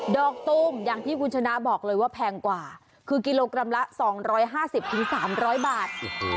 อกตุ้มอย่างที่คุณชนะบอกเลยว่าแพงกว่าคือกิโลกรัมละ๒๕๐๓๐๐บาท